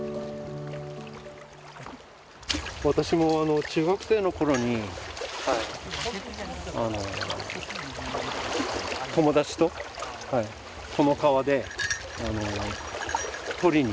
私も中学生の頃に友達とこの川で取りに行って。